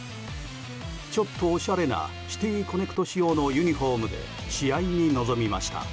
ちょっとおしゃれなシティ・コネクト仕様のユニホームで試合に臨みました。